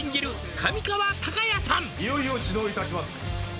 いよいよ始動いたします